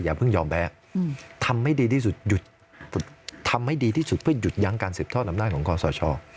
เพิ่งยอมแพ้ทำให้ดีที่สุดหยุดทำให้ดีที่สุดเพื่อหยุดยั้งการสืบทอดอำนาจของคอสช